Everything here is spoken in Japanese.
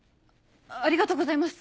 ありがとうございます。